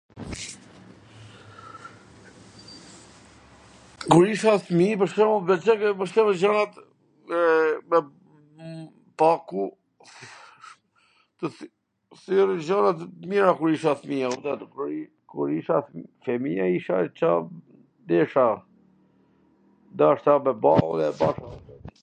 Kur isha fwmij, pwr shembull, m pwlqente mbwshtillja gjanat me pako , sillnin gjwna t mira kur isha fmij, a kupton, kur isha fmija isha Ca desha, dashta me bamun dhe e bana,